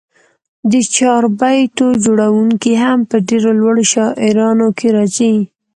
د چاربیتو جوړوونکي هم په ډېرو لوړو شاعرانو کښي راځي.